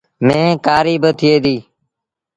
ميݩهن ڪآريٚ با ٿئي ديٚ ۔